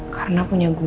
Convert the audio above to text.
karena punya gue